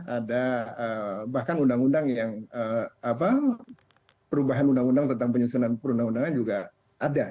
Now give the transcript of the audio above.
ada bahkan undang undang yang perubahan undang undang tentang penyusunan perundang undangan juga ada